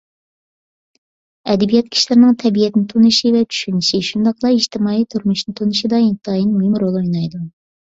ئەدەبىيات كىشىلەرنىڭ تەبىئەتنى تونۇشى ۋە چۈشىنىشى، شۇنداقلا ئىجتىمائىي تۇرمۇشنى تونۇشىدا ئىنتايىن مۇھىم رول ئوينايدۇ.